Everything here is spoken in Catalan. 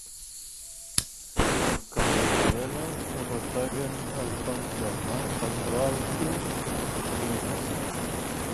Com les sirenes, arrosseguen al fons del mar qualsevol un que s'aproximi massa.